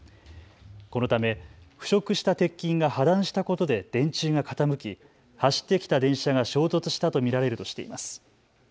このため腐食した鉄筋が破断したことで電柱が傾き走ってきた電車が衝突したと見られるとしています。